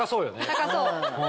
高そう。